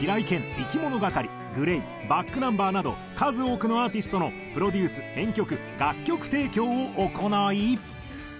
いきものがかりＧＬＡＹｂａｃｋｎｕｍｂｅｒなど数多くのアーティストのプロデュース編曲楽曲提供を行い。